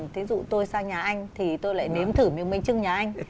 thí dụ tôi sang nhà anh thì tôi lại nếm thử miếng bánh trưng nhà anh